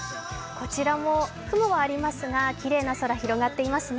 こちらも雲はありますがきれいな空広がってますね。